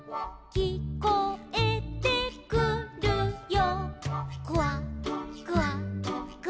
「きこえてくるよ」